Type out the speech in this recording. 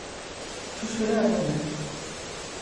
Tout cela a bon air.